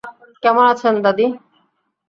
কেমন আছেন, দাদি?